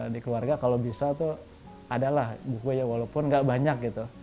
di keluarga kalau bisa tuh ada lah buku ya walaupun gak banyak gitu